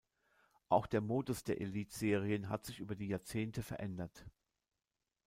Auch der Modus der Elitserien hat sich über die Jahrzehnte verändert.